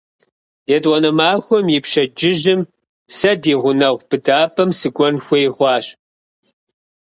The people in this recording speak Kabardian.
ЕтӀуанэ махуэм и пщэдджыжьым сэ ди гъунэгъу быдапӀэм сыкӀуэн хуей хъуащ.